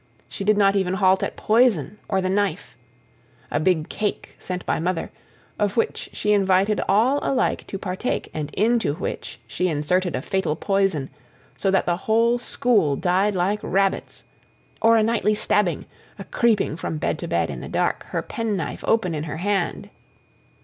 She did not even halt at poison or the knife: a big cake, sent by Mother, of which she invited all alike to partake, and into which she inserted a fatal poison, so that the whole school died like rabbits; or a nightly stabbing, a creeping from bed to bed in the dark, her penknife open in her hand...